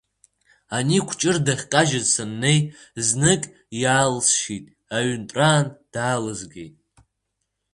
Ани Кәҷыр дахькажьыз саннеи, знык иалсшьит, аҩынтәраан даалзгеит.